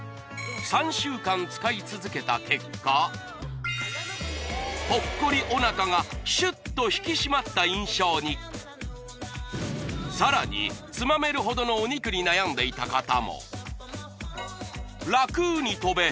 ３週間使い続けた結果ぽっこりおなかがシュッと引き締まった印象にさらにつまめるほどのお肉に悩んでいた方も楽に跳べ